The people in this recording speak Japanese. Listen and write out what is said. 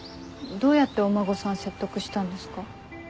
どうやってお孫さん説得したんですか？